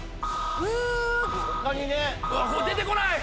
出てこない。